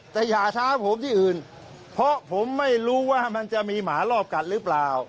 แต่อย่าช้าผมที่อื่นเพราะผมไม่รู้ว่ามันจะมีหมารอบกัดหรือเปล่า